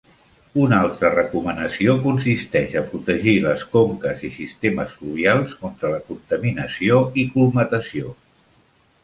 Una altra recomanació consisteix a protegir les conques i sistemes fluvials contra la contaminació i colmatació.